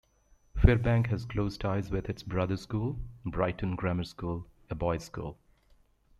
Firbank has close ties with its brother school, Brighton Grammar School, a boys' school.